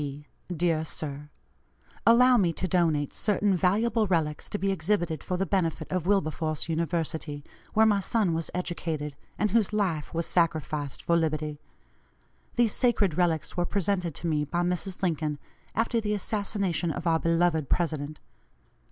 D. DEAR SIR: Allow me to donate certain valuable relics, to be exhibited for the benefit of Wilberforce University, where my son was educated, and whose life was sacrificed for liberty. These sacred relics were presented to me by Mrs. Lincoln, after the assassination of our beloved President.